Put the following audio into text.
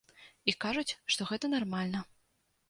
І кажуць, што гэта нармальна.